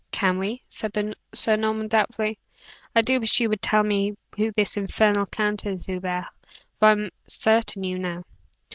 "Can we?" said Sir Norman, doubtfully, "I do wish you would tell me who this infernal count is, Hubert, for I am certain you know."